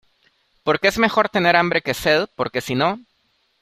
porque es mejor tener hambre que sed, porque sino